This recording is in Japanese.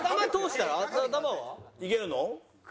いけるの？